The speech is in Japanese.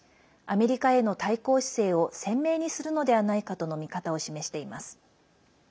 アメリカへの対抗姿勢を鮮明にするのではないかとの見方を示しています。